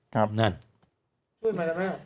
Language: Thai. ครับ